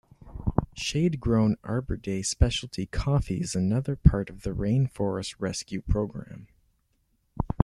Shade-grown Arbor Day Specialty Coffee is another part of the Rain Forest Rescue program.